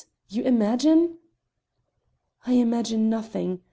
You imagine " "I imagine nothing.